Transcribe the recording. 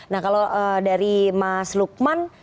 nah kalau dari mas lukman